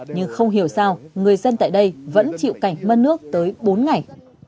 nhưng không hiểu sao người dân tại đây vẫn chịu cảnh mất nước tới bốn ngày